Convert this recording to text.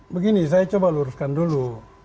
begini saya coba luruskan dulu